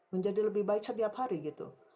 menjadi lebih baik setiap hari gitu